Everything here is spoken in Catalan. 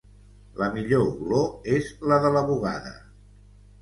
La millor olor és la de la bugada.